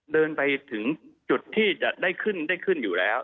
เดินไปถึงจุดที่จะได้ขึ้นได้ขึ้นอยู่แล้ว